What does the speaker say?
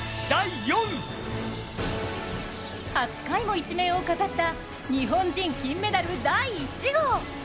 ８回も１面を飾った日本人金メダル第１号。